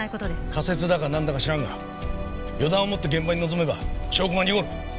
仮説だかなんだか知らんが予断を持って現場に臨めば証拠が濁る。